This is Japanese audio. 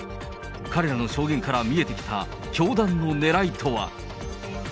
彼らの証言から見えてきた教団のねらいとは。